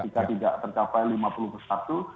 jika tidak tercapai lima puluh persatu